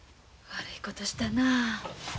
悪いことしたな。